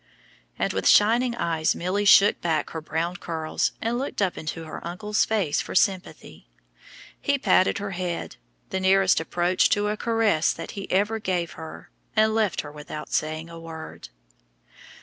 And with shining eyes Milly shook back her brown curls and looked up into her uncle's face for sympathy. He patted her head, the nearest approach to a caress that he ever gave her, and left her without saying a word.